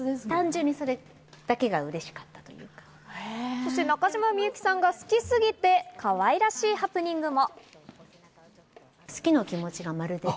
そして中島みゆきさんが好きすぎて、可愛らしいハプニングも。